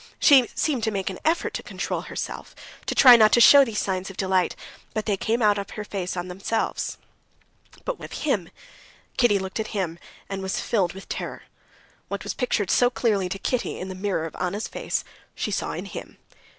She seemed to make an effort to control herself, to try not to show these signs of delight, but they came out on her face of themselves. "But what of him?" Kitty looked at him and was filled with terror. What was pictured so clearly to Kitty in the mirror of Anna's face she saw in him.